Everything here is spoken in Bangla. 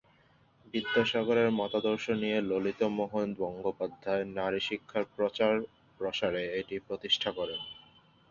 বিদ্যাসাগরের মতাদর্শ নিয়ে ললিত মোহন বন্দ্যোপাধ্যায় নারী শিক্ষার প্রচার প্রসারে এটি প্রতিষ্ঠা করেন।